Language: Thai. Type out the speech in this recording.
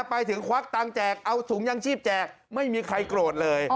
ไปถึงควักตังค์แจกเอาถุงยางชีพแจกไม่มีใครโกรธเลย